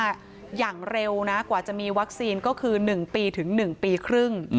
อย่างเร็วนะกว่าจะมีวัคซีนก็คือ๑ปีถึง๑ปีครึ่ง